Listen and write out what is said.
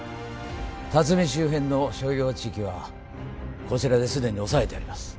龍海周辺の商業地域はこちらですでに押さえてあります